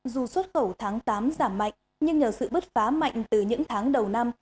dù xuất khẩu tháng tám giảm mạnh nhưng nhờ sự bứt phá mạnh từ những tháng đầu năm